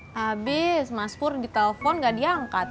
habis mas pur di telpon gak diangkat